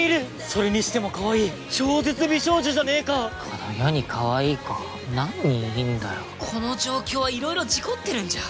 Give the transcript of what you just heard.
それにしてもかわいい超絶美少女じゃねぇかこの世にかわいい子何人いんだよこの状況はいろいろ事故ってるんじゃ